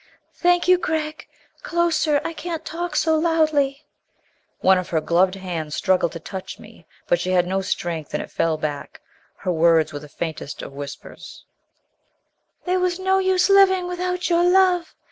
"Thank you Gregg closer I can't talk so loudly " One of her gloved hands struggled to touch me, but she had no strength and it fell back. Her words were the faintest of whispers: "There was no use living without your love.